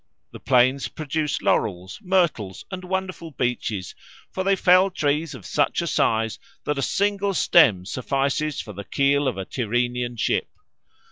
The plains produce laurels, myrtles, and wonderful beeches; for they fell trees of such a size that a single stem suffices for the keel of a Tyrrhenian ship.